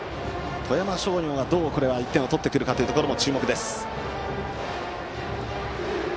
富山商業が、これはどう１点を取ってくるかも注目です。